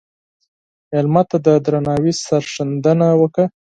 مېلمه ته د درناوي سرښندنه وکړه.